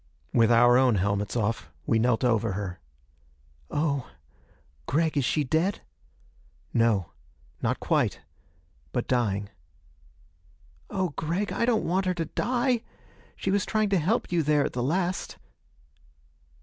With our own helmets off, we knelt over her. "Oh. Gregg, is she dead?" "No. Not quite but dying." "Oh Gregg, I don't want her to die! She was trying to help you there at the last."